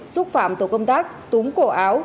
xúc phạm tổ công tác túng cổ áo